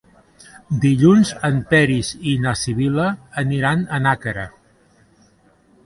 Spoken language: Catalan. Dilluns en Peris i na Sibil·la aniran a Nàquera.